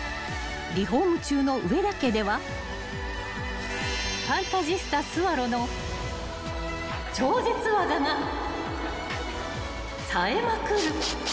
［リフォーム中の上田家ではファンタジスタスワロの超絶技がさえまくる］